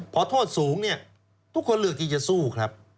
พอโทษสูงเนี่ยทุกคนเลือกที่จะสู้ครับ